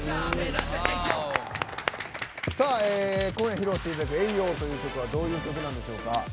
今夜、披露していただく「Ａｙ‐Ｙｏ」という曲はどういう曲なんでしょうか？